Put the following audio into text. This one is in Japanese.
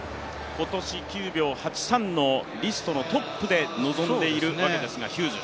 今年９秒８３のリストのトップで臨んでいるわけですが、ヒューズ。